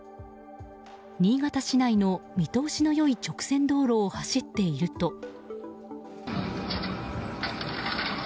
新潟市内の見通しの良い直線道路を走っていると。